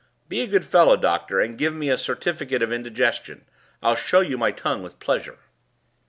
Be a good fellow, doctor, and give me a certificate of indigestion; I'll show you my tongue with pleasure."